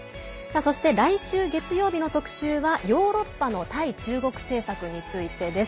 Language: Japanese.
そして来週月曜日の特集はヨーロッパの対中国政策についてです。